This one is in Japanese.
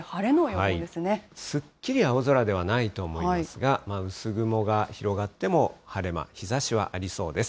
すっきり青空ではないと思いますが、薄雲が広がっても晴れ間、日ざしはありそうです。